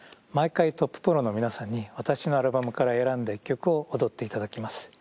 毎回トッププロの皆さんに私のアルバムから選んだ１曲を踊っていただきます。